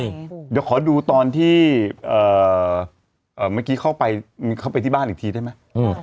เดี๋ยวขอดูตอนที่เมื่อกี้เข้าไปมีเข้าไปที่บ้านอีกทีได้มั้ย